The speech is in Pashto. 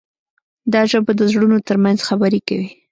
دا ژبه د زړونو ترمنځ خبرې کوي.